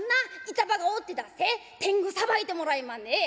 板場がおってだっせ天狗さばいてもらいまんねんええ。